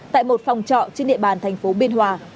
tại một phòng trọ trên địa bàn thành phố biên hòa